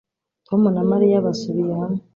Tom na Mariya basubiye hamwe